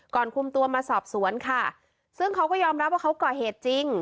คุมตัวมาสอบสวนค่ะซึ่งเขาก็ยอมรับว่าเขาก่อเหตุจริง